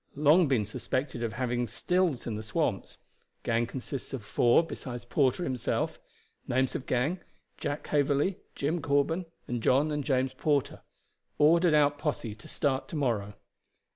Long been suspected of having stills in the swamps. Gang consists of four besides Porter himself. Names of gang, Jack Haverley, Jim Corben, and John and James Porter. Ordered out posse to start to morrow.